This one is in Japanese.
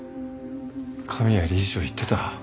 神谷理事長言ってた。